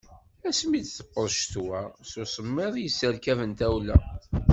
Asmi i d-tewweḍ ccetwa, s usemmiḍ i yesserkaben tawla.